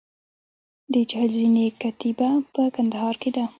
د چهل زینې کتیبه په کندهار کې ده